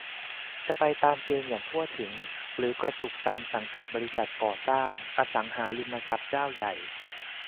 จะไปตามเกณฑ์อย่างทั่วถึง หรือกระจุกตามสังกัดบริษัทก่อสร้าง-อสังหาริมทรัพย์เจ้าใหญ่